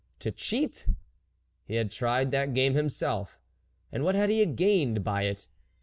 To cheat ? He had tried that game himself. And what had he gained by it